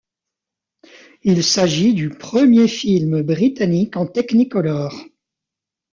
Il s'agit du premier film britannique en Technicolor.